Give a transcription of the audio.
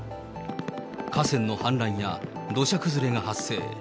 河川の氾濫や土砂崩れが発生。